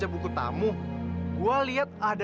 aku tuh gak ngerti d